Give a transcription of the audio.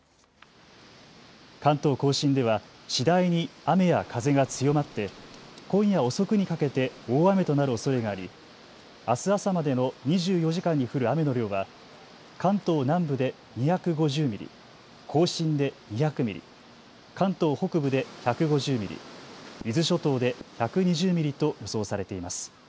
関東甲信では次第に雨や風が強まって今夜遅くにかけて大雨となるおそれがありあす朝までの２４時間に降る雨の量は関東南部で２５０ミリ、甲信で２００ミリ、関東北部で１５０ミリ、伊豆諸島で１２０ミリと予想されています。